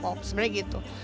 project pop sebenarnya gitu